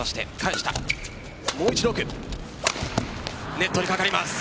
ネットにかかります。